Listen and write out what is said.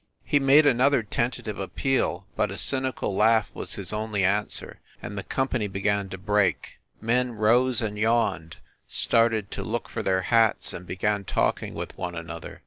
He made another tentative appeal, but a cynical laugh was his only answer, and the company began to break. Men rose and yawned, started to look for their hats, and began talking with one an other.